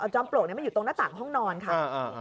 จอมปลวกมันอยู่ตรงหน้าต่างห้องนอนค่ะ